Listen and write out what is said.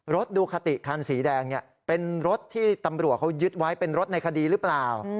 ดูคาติคันสีแดงเป็นรถที่ตำรวจเขายึดไว้เป็นรถในคดีหรือเปล่า